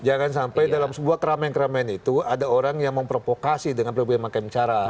jangan sampai dalam sebuah keramaian keramaian itu ada orang yang memprovokasi dengan berbagai macam cara